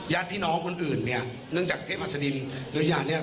ญาติพี่น้องคนอื่นเนี่ยเนื่องจากเทพหัสดินริยาเนี่ย